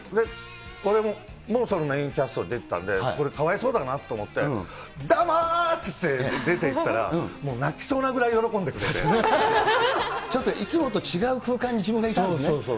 俺も、メインキャストで出てたんで、これ、かわいそうだなと思って、どうもー！って言って出ていったら、泣きそうなぐらい喜んでくれちょっといつもと違う空間にそうそうそう。